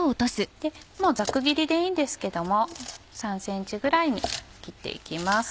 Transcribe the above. もうザク切りでいいんですけども３ｃｍぐらいに切って行きます。